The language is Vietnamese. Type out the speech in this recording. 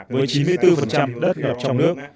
với chín mươi bốn đất ngập trong nước